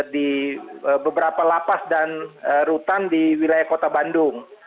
di beberapa lapas dan rutan di wilayah kota bandung